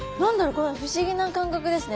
これ不思議な感覚ですね。